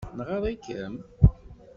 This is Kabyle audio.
Nɣaḍ-ikem?